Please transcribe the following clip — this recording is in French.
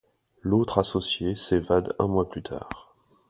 L'autre associé s'évade un mois plus tard.